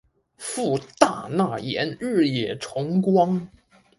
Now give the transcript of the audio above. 父大纳言日野重光。